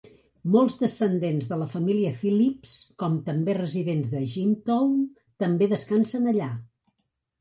Molts descendents de la família Phillips, com també residents de Jimtown, també descansen allà.